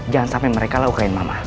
jangan sampe mereka lukain mama